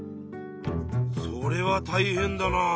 それはたいへんだなあ。